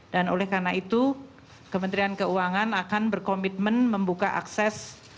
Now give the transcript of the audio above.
dan oleh karena itu kementerian keuangan akan berkomitmen membuka akses